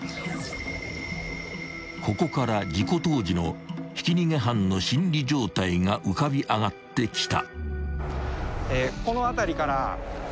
［ここから事故当時のひき逃げ犯の心理状態が浮かび上がってきた］